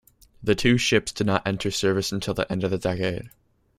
The two ships did not enter service until the end of the decade.